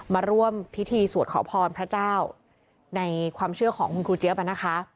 มาร่วมพิธีสวดขอพรพระเจ้าในความเชื่อของคุณครูเจี๊ยบอ่ะนะคะ